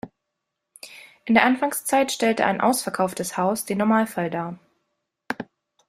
In der Anfangszeit stellte ein ausverkauftes Haus den Normalfall dar.